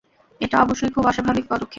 এটা অবশ্যই খুব অস্বাভাবিক পদক্ষেপ।